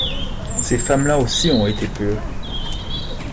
Ces femmes-là aussi ont été pures.